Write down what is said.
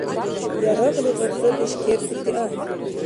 Ярагъли гъабзадеш кертӀути ахӀен.